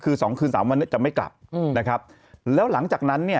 กว่าสองคืนสามจะไม่กลับแล้วหลังจากนั้นเนี่ย